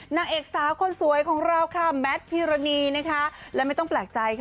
นางเอกสาวคนสวยของเราค่ะแมทพิรณีนะคะและไม่ต้องแปลกใจค่ะ